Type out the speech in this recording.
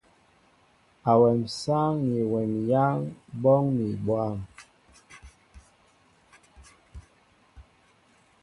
Awem sááŋ ni wem yááŋ ɓóoŋ mi bwăm.